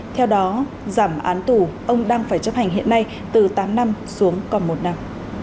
theo đó giảm án tù ông đang phải chấp hành hiện nay từ tám năm xuống còn một năm